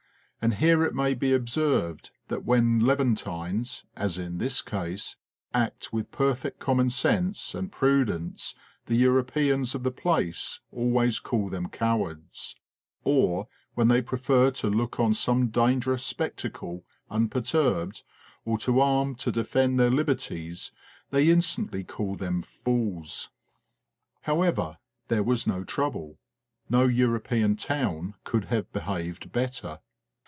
And here it may be observed that when Levantines (as in this case) act with perfect common sense and prudence the Europeans of the place always call them cowards ; or, when they prefer to look on some dangerous spectacle unperturbed, or to arm to defend their liberties, they instantly call them fools. However, there was no trouble. No European town could have behaved better.